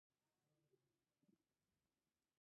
کورني خواړه له بازاري خوړو پاک وي.